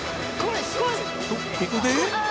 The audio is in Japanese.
とここで